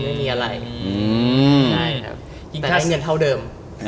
แต่ได้เงินเท่าเดิม